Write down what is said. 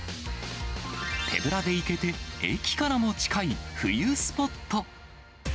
手ぶらで行けて駅からも近い冬スポット。